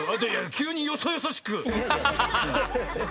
きゅうによそよそしく。